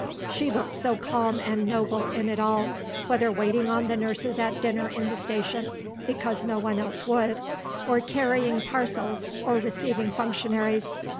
She looked so calm and noble in it all, whether waiting on the nurses at dinner in the station (because no one else would), or carrying parcels, or receiving functionaries.